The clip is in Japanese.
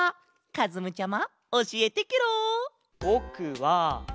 かずむちゃま。